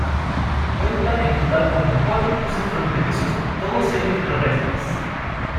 Cuenta en total con cuatro cruces fronterizos, todos ellos terrestres.